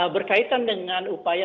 berkaitan dengan upaya